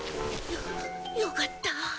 よかった。